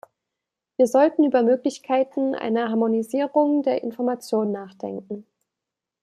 Wir sollten über Möglichkeiten einer Harmonisierung der Informationen nachdenken.